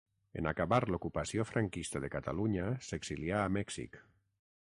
En acabar l'ocupació franquista de Catalunya s'exilià a Mèxic.